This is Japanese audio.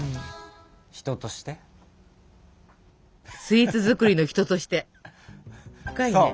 深いねスイーツ作りの人として。